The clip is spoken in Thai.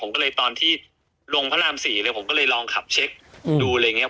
ผมก็เลยตอนที่ลงพระรามสี่เลยผมก็เลยลองขับเช็คดูอะไรอย่างเงี้